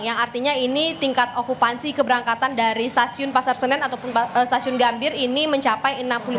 yang artinya ini tingkat okupansi keberangkatan dari stasiun pasar senen ataupun stasiun gambir ini mencapai enam puluh lima